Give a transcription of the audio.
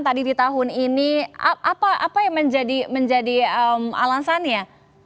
tadi di tahun ini apa yang menjadi alasannya